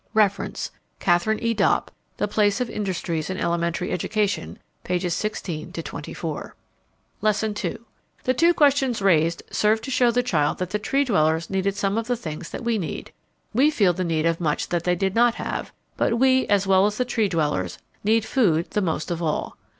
Reference: Katharine E. Dopp, The Place of Industries in Elementary Education, pp. 16 24. Lesson II. The two questions raised serve to show the child that the Tree dwellers needed some of the things that we need. We feel the need of much that they did not have, but we, as well as the Tree dwellers, need food the most of all.